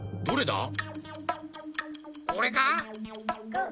どれだ？